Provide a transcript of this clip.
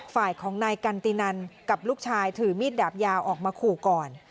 ฝ่ายของนายกันตินันกับลูกชายถือมีดดาบยาวออกมาขู่ก่อน